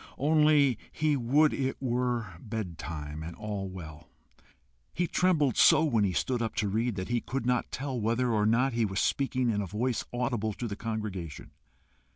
Only he would it were bed time, and all well. He trembled so when he stood up to read that he could not tell whether or not he was speaking in a voice audible to the congregation.